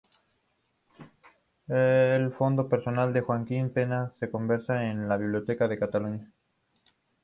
El fondo personal de Joaquim Pena se conserva en la Biblioteca de Cataluña.